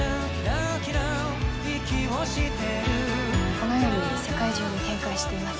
このように世界中に展開しています。